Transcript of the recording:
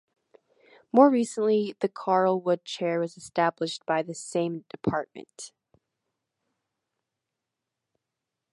More recently the Carl Wood Chair was established by the same department.